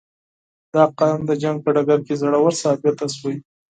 • دا قوم د جنګ په ډګر کې زړور ثابت شوی.